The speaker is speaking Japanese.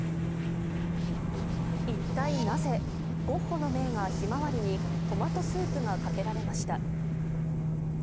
一体なぜ、ゴッホの名画「ひまわり」にトマトスープがかけられました。